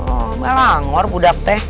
oh melangor budak teh